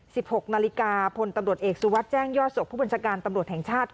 หกนาฬิกาพลตำรวจเอกสุวัสดิ์แจ้งยอดสุขผู้บัญชาการตำรวจแห่งชาติ